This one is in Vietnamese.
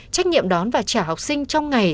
trách nhiệm đón và trả học sinh trong ngày